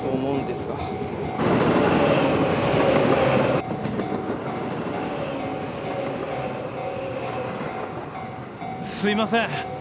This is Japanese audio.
すいません。